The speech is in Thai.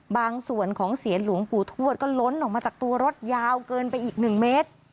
บางส่วนของเสียนหลวงปู่ทวดก็ล้นออกมาจากตัวรถยาวเกินไปอีก๑เมตร